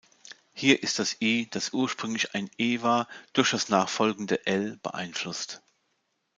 Hier ist das „i“, das ursprünglich ein „e“ war durch das nachfolgende -I beeinflusst.